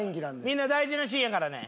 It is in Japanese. みんな大事なシーンやからね。